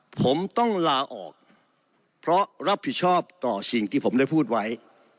ผมต้องลาออกเพราะรับผิดชอบต่อสิ่งที่ผมได้พูดไว้